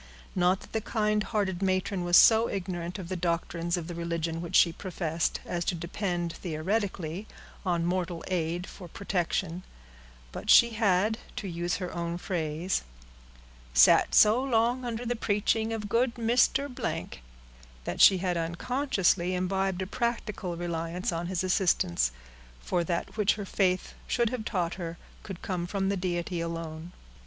Not that the kind hearted matron was so ignorant of the doctrines of the religion which she professed, as to depend, theoretically, on mortal aid for protection; but she had, to use her own phrase, "sat so long under the preaching of good Mr.——," that she had unconsciously imbibed a practical reliance on his assistance, for that which her faith should have taught her could come from the Deity alone.